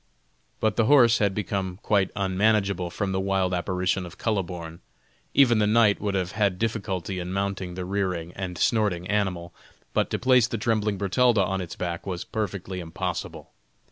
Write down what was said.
But the horse had become quite unmanageable from the wild apparition of Kuhleborn. Even the knight would have had difficulty in mounting the rearing and snorting animal, but to place the trembling Bertalda on its back was perfectly impossible.